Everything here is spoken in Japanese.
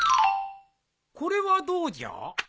これはどうじゃ？